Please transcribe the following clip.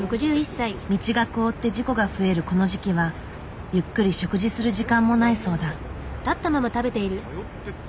道が凍って事故が増えるこの時期はゆっくり食事する時間もないそうだ。